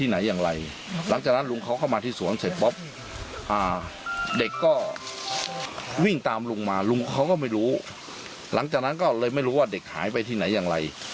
หลังจากนั้นก็เลยไม่รู้ว่าเด็กหายไปที่ไหนอย่างไร